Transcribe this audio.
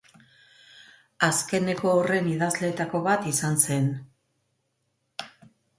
Azkeneko horren idazleetako bat izan zen.